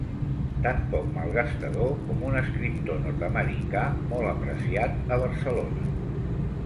Tan poc malgastador com un escriptor nord-americà molt apreciat a Barcelona.